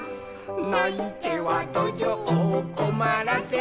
「ないてはどじょうをこまらせた」